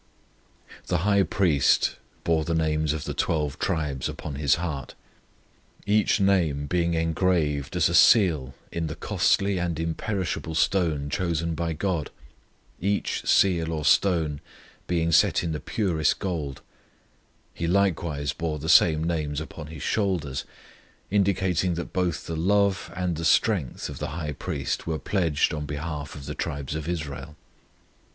The High Priest bore the names of the twelve tribes upon his heart, each name being engraved as a seal in the costly and imperishable stone chosen by GOD, each seal or stone being set in the purest gold; he likewise bore the same names upon his shoulders, indicating that both the love and the strength of the High Priest were pledged on behalf of the tribes of Israel.